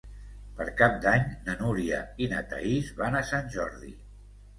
Per Cap d'Any na Núria i na Thaís van a Sant Jordi.